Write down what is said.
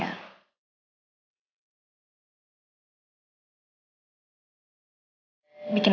lalu apa yang kamu lakukan